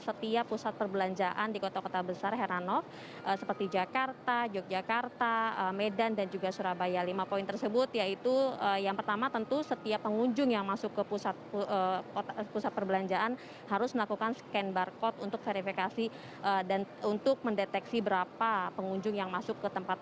seperti apa aturan yang diizinkan buka